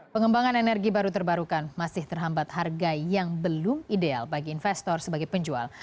pengembangan energi baru terbarukan masih terhambat harga yang belum ideal bagi investor sebagai penjual